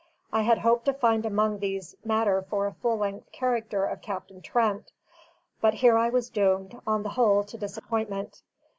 I had hoped to find among these matter for a full length character of Captain Trent; but here I was doomed, on the whole, to disappointment.